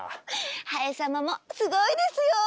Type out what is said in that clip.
ハエ様もすごいですよ。